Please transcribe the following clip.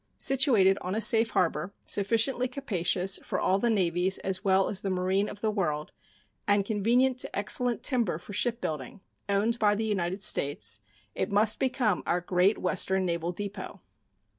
Situated on a safe harbor, sufficiently capacious for all the navies as well as the marine of the world, and convenient to excellent timber for shipbuilding, owned by the United States, it must become our great Western naval depot.